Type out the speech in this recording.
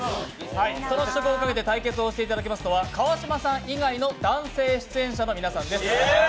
その試食をかけて対決をしていただくのは川島さん以外の男性の皆さんです。